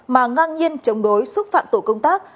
mà ngang nhiên chống đối xúc phạm tổ công tác